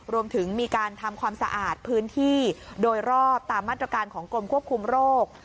รวมถึงมีการทำความสะอาดพื้นที่โดยรอบตามมาตรการของกรมควบคุมโรค